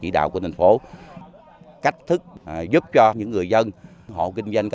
làm tranh làm hoa giấy